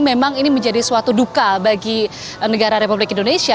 memang ini menjadi suatu duka bagi negara republik indonesia